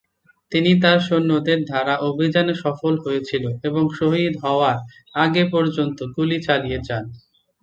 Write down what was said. তিনি তাঁর সৈন্যদের দ্বারা অভিযানে সফল হয়েছিল এবং শহীদ হওয়ার আগে পর্যন্ত গুলি চালিয়ে যান।